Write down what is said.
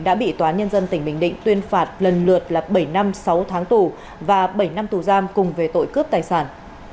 đã bị tòa nhân dân tỉnh bình định tuyên phạt lần lượt là bảy năm sáu tháng tù và bảy năm tù giam cùng về tội cướp tài sản